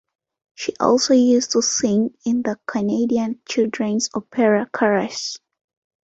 She also used to sing in the Canadian Children's Opera Chorus.